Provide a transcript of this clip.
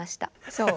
そう。